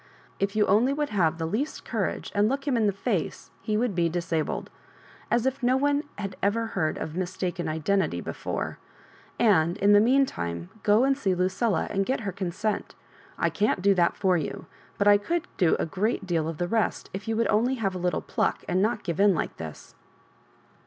K you only would have the least courage, and look him in the iace, he would be disabled. As if no one had ever heard of mistaken identity before ! And in the meantime go and see Lucilla, and get her consent I can't do that for you ; but I could do a great deal of the rest, if you would only have a little pluck and not give in like this."